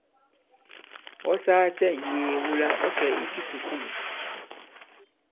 Ɔ̌ sāā cɛ ŋ̀yee wula ɔ̌ kɛ̀ i kisùkulù ?